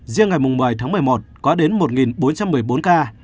riêng ngày một mươi tháng một mươi một có đến một bốn trăm một mươi bốn ca